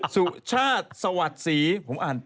สุชาติสวัสดิ์ศรีผมอ่าน